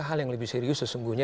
hal yang lebih serius sesungguhnya